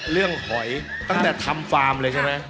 หอยตั้งแต่ทำฟาร์มเลยใช่ไหม